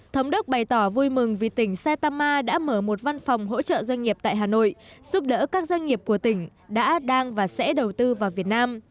thống đốc bày tỏ vui mừng vì tỉnh saitama đã mở một văn phòng hỗ trợ doanh nghiệp tại hà nội giúp đỡ các doanh nghiệp của tỉnh đã đang và sẽ đầu tư vào việt nam